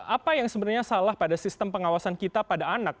apa yang sebenarnya salah pada sistem pengawasan kita pada anak